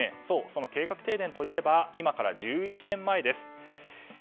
その計画停電といえば今から１１年前です。